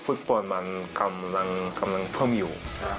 ฟุตบอลมันกำลังเพิ่มอยู่